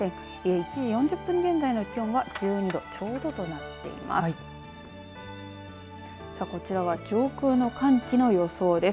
１時４０分現在の気温は１２度ちょうどとなっています。